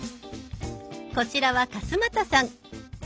こちらは勝俣さん。